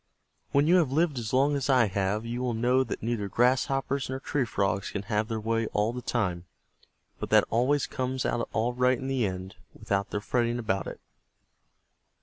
When you have lived as long as I have, you will know that neither Grasshoppers nor Tree Frogs can have their way all the time, but that it always comes out all right in the end without their fretting about it."